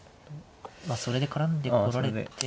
それで絡んでこられても。